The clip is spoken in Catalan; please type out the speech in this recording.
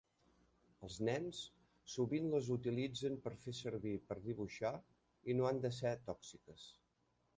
Els nens sovint les utilitzen per fer servir per dibuixar i no han de ser tòxiques.